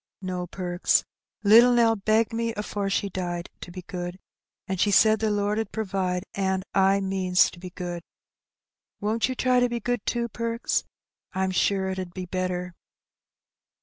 No, Perks, little Nell begged me afore she died to be good, an' she said the Lord 'ud provide, an' I means to be good. Won't you try to be good, too, Perks? I'm sure it 'ud be better."